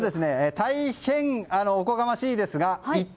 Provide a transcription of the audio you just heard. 大変、おこがましいんですが「イット！」